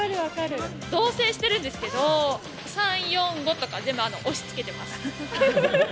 同せいしているんですけれども、３、４、５とか、全部押しつけてます。